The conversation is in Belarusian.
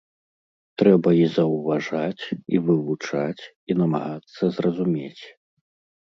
Трэба і заўважаць, і вывучаць, і намагацца зразумець.